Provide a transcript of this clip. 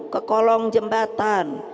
ke kolong jembatan